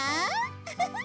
ウフフ。